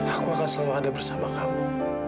aku akan selalu ada bersama kamu